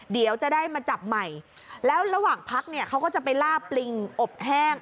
เดี๋ยวจะได้มาจับใหม่แล้วระหว่างพักเนี่ยเขาก็จะไปล่าปลิงอบแห้ง